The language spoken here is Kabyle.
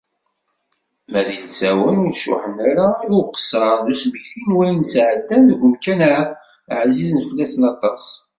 Ma d ilsawen ur cuḥḥen ara i uqeṣṣer d usmeki n wayen sɛeddan deg umkan-a ɛzizen fell-asen aṭas.